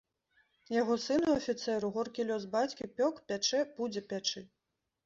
Яго сыну, афіцэру, горкі лёс бацькі пёк, пячэ, будзе пячы.